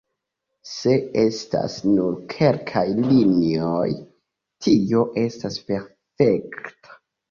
Se estas nur kelkaj linioj, tio estas perfekta.